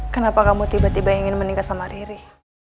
kenapa kamu tiba tiba ingin menikah sama riri